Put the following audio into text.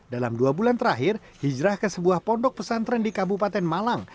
dalam dua bulan terakhir hijrah ke sebuah pondok pesantren di kabupaten malang